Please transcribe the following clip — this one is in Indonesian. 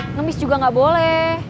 ngemis juga gak boleh